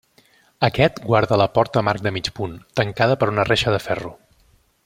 Aquest guarda la porta amb arc de mig punt, tancada per una reixa de ferro.